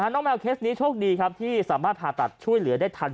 แมวเคสนี้โชคดีครับที่สามารถผ่าตัดช่วยเหลือได้ทัน